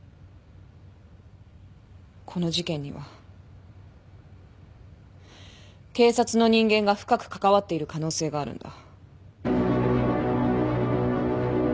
この事件には警察の人間が深く関わっている可能性があるんだ。